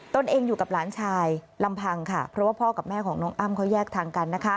เองอยู่กับหลานชายลำพังค่ะเพราะว่าพ่อกับแม่ของน้องอ้ำเขาแยกทางกัน